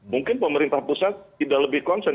mungkin pemerintah pusat tidak lebih concern